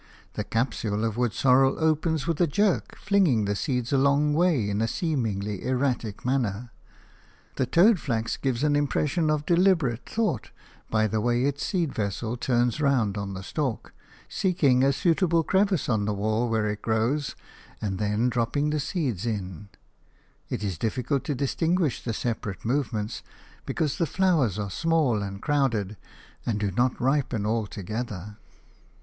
The capsule of wood sorrel opens with a jerk, flinging the seeds a long way in a seemingly erratic manner. The toadflax gives an impression of deliberate thought by the way its seed vessel turns round on the stalk, seeking a suitable crevice on the wall where it grows, and then dropping the seeds in: it is difficult to distinguish the separate movements, because the flowers are small and crowded, and do not ripen all together.